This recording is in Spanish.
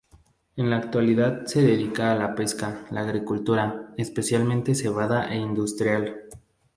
En la actualidad se dedica a la pesca, la agricultura, especialmente cebada e industrial.